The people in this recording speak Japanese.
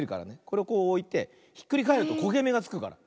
これをこうおいてひっくりかえるとこげめがつくから。